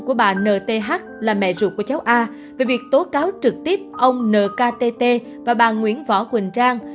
của bà nth là mẹ ruột của cháu a về việc tố cáo trực tiếp ông nkt và bà nguyễn võ quỳnh trang